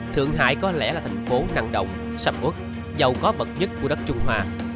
thượng hải có lẽ là thành phố năng động sập quất giàu có vật nhất của đất trung hoa